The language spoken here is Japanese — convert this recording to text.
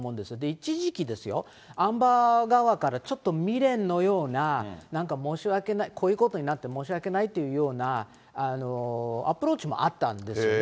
一時期、アンバー側から、ちょっと未練のような、なんか申し訳ない、こういうことになって申し訳ないというようなアプローチもあったんですよね。